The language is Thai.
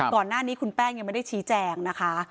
ก่อนหน้านี้คุณแป้งยังไม่ได้ชี้แจงนะคะ